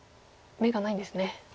眼がないんです。